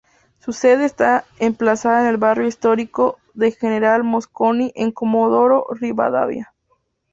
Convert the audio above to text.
Su sede está emplazada en el barrio histórico de General Mosconi en Comodoro Rivadavia.